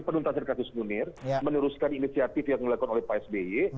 penuntasan kasus munir meneruskan inisiatif yang dilakukan oleh pak sby